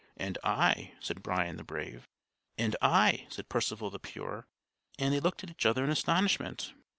"And I," said Brian the Brave. "And I," said Percival the Pure; and they looked at each other in astonishment.